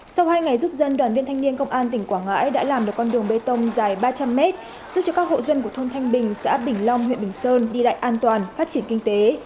sau hai ngày giúp dân đoàn viên thanh niên công an tỉnh quảng ngãi đã làm được con đường bê tông dài ba trăm linh mét giúp cho các hộ dân của thôn thanh bình xã bình long huyện bình sơn đi lại an toàn phát triển kinh tế